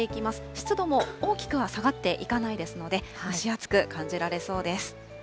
湿度も大きくは下がっていかないですので、蒸し暑く感じられそうです。